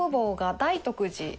大徳寺